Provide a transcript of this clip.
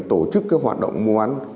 tổ chức hoạt động mua bán